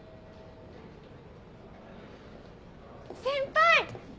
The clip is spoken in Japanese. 先輩！